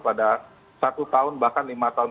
pada satu tahun bahkan lima tahun